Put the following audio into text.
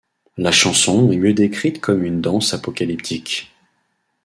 La chanson est mieux décrite comme une danse apocalyptique.